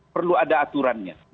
perlu ada aturannya